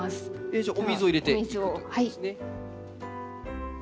じゃあお水を入れていくということですね。